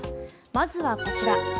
まずはこちら。